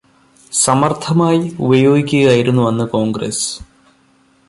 സമര്ത്ഥമായി ഉപയോഗിക്കുകയായിരുന്നു അന്ന് കോണ്ഗ്രസ്സ്.